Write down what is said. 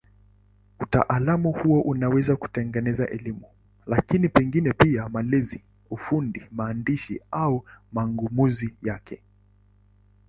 Utaalamu huo unaweza kutegemea elimu, lakini pengine pia malezi, ufundi, maandishi au mang'amuzi yake.